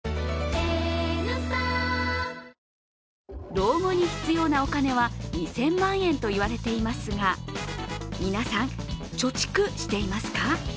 老後に必要なお金は２０００万円といわれていますが、皆さん、貯蓄していますか？